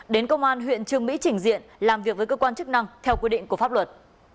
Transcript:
đến công an huyện trương mỹ chỉnh diện làm việc với cơ quan chức năng theo quy định của pháp luật